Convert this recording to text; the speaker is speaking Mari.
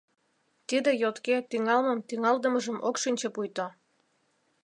Тиде йотке тӱҥалмым-тӱҥалдымыжым ок шинче пуйто?